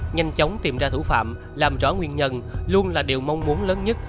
nhanh chóng tìm ra thủ phạm làm rõ nguyên nhân luôn là điều mong muốn lớn nhất